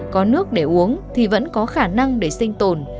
có nước để uống thì vẫn có khả năng để sinh tồn